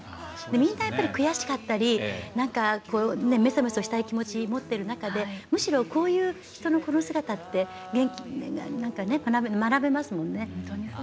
みんな、やっぱり悔しかったりめそめそしたい気持ちを持っている中でむしろ、こういう人の姿って学べますもんね。